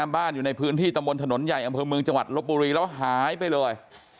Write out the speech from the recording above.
บ้านอยู่ในพื้นที่ตำบลถนนใหญ่อำเภอเมืองจังหวัดลบบุรีแล้วหายไปเลย